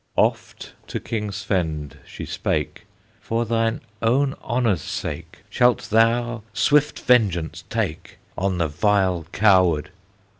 Oft to King Svend she spake, "For thine own honor's sake Shalt thou swift vengeance take On the vile coward!"